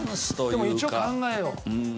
でも一応考えよう。